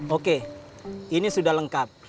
oke ini sudah lengkap